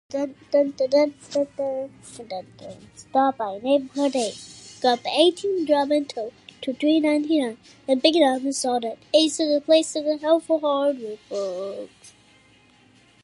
Frame-style buckles are the oldest design.